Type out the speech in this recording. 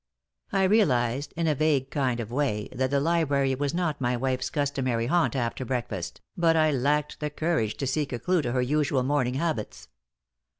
I realized, in a vague kind of way, that the library was not my wife's customary haunt after breakfast, but I lacked the courage to seek a clue to her usual morning habits.